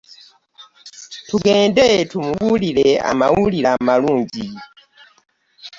Tugende tumubuulire amawulire amalungi.